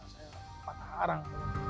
saya patah harang